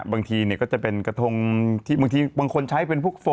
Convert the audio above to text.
บางทีก็จะเป็นกระทงที่บางทีบางคนใช้เป็นพวกโฟ